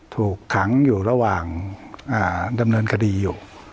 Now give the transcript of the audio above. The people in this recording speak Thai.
ถูกขังอยู่ระหว่างดำเนินคดีอยู่